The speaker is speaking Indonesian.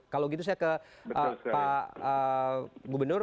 kalau gitu saya ke pak gubernur